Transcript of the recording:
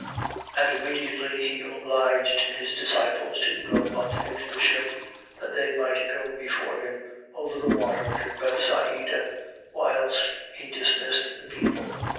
6:45. And immediately he obliged his disciples to go up into the ship, that they might go before him over the water to Bethsaida, whilst he dismissed the people.